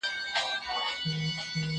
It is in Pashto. کېدای سي تکړښت سخت وي!.